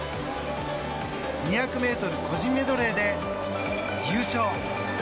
２００ｍ個人メドレーで優勝！